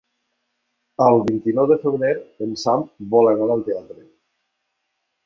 El vint-i-nou de febrer en Sam vol anar al teatre.